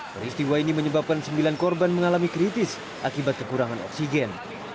peristiwa ini menyebabkan sembilan korban mengalami kritis akibat kekurangan oksigen